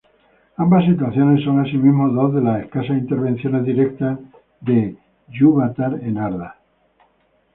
Ambas situaciones son, asimismo dos de las escasas intervenciones directas de Ilúvatar en Arda.